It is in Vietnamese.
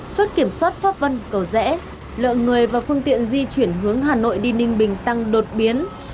chốt kiểm soát pháp vân cầu rẽ lượng người và phương tiện di chuyển hướng hà nội đi ninh bình tăng đột biến